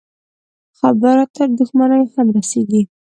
خبره تر دښمنيو هم رسېږي.